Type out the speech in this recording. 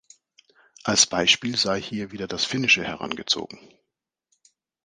Als Beispiel sei hier wieder das Finnische herangezogen.